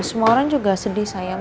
semua orang juga sedih sayang